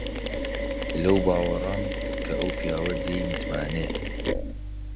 لەو باوەڕەم کە ئەو پیاوێکی جێی متمانەیە.